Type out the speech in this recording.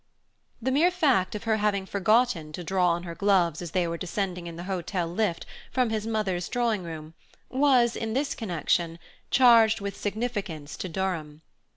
The mere fact of her having forgotten to draw on her gloves as they were descending in the hotel lift from his mother's drawing room was, in this connection, charged with significance to Durham.